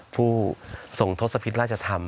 ผู้ทรงทฤตรราชธรรม